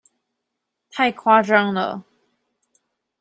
太誇張了！